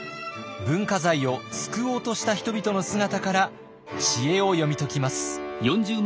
文化財を救おうとした人々の姿から知恵を読み解きます。